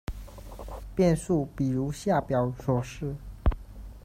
变速比如下表所示：